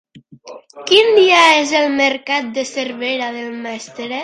Quin dia és el mercat de Cervera del Maestrat?